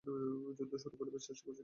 যুদ্ধ শুরু করার চেষ্টা করছি না।